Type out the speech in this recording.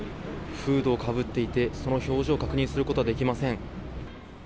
フードをかぶっていてその表情を確認することはできません。